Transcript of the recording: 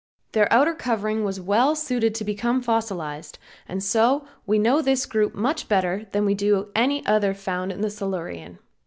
Their outer covering was well suited to become fossilized, and so we know this group much better than we do any other found in the Silurian.